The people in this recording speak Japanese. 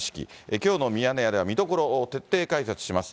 きょうのミヤネ屋では見どころを徹底解説します。